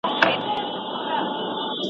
مسواک باید د لمر وړانګو ته کېنښودل شي.